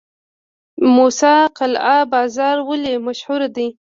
موسی قلعه بازار ولې مشهور دی؟